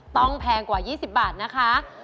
แพงกว่า๒๐บาทนะคะ